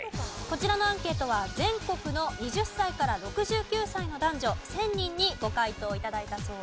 こちらのアンケートは全国の２０歳から６９歳の男女１０００人にご回答頂いたそうです。